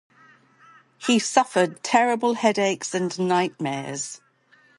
He suffered terrible headaches and nightmares.